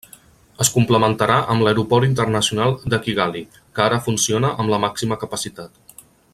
Es complementarà amb l'Aeroport Internacional de Kigali, que ara funciona amb la màxima capacitat.